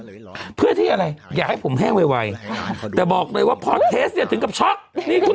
เหรอเพื่อที่อะไรอยากให้ผมแห้งไวแต่บอกเลยว่าพอเทสเนี่ยถึงกับช็อกนี่คือ